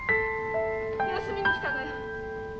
様子見に来たのよ。